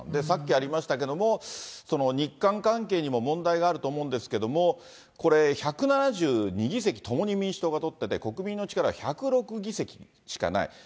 さっきありましたけれども、日韓関係にも問題があると思うんですけども、これ、１７２議席、共に民主党が取ってて、国民の力は１０６議席しかない。